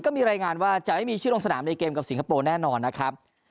ก็มีรายงานว่าจะไม่มีชื่อลงสนามในเกมกับสิงคโปร์แน่นอนนะครับ